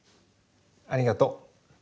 ありがと。